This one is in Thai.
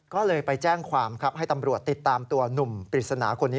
ก็เลยไปแจ้งความครับให้ตำรวจติดตามตัวหนุ่มปริศนาคนนี้